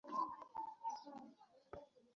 খালিদ নিজের মধ্যে এক প্রকার কম্পন অনুভব করে।